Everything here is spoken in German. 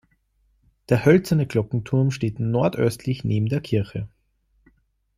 Der hölzerne Glockenturm steht nordöstlich neben der Kirche.